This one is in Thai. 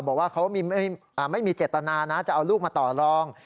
บอกว่าเขาไม่มีเจตนานะจะเอาลูกมาต่อรอง